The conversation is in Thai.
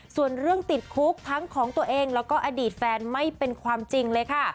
ส่วนเรื่องติดคุกทั้งของตัวเองแล้วก็อดีตแฟนไม่เป็นความจริงเลยค่ะ